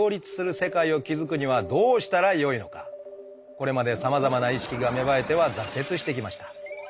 これまでさまざまな意識が芽生えては挫折してきました。